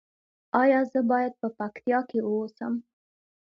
ایا زه باید په پکتیا کې اوسم؟